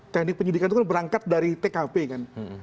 teknik penyidikan itu kan berangkat dari tkp kan